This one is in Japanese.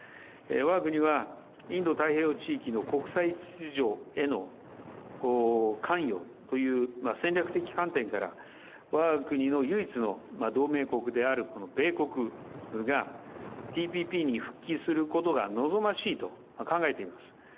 わが国はインド太平洋地域の国際秩序への関与という、戦略的観点から、わが国の唯一の同盟国である米国が、ＴＰＰに復帰することが望ましいと考えています。